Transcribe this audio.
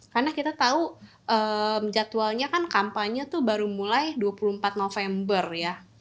karena kita tahu jadwalnya kan kampanye tuh baru mulai dua puluh empat november ya